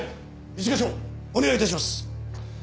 一課長お願い致します。